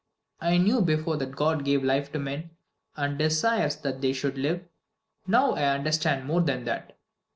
"I knew before that God gave life to men and desires that they should live; now I understood more than that.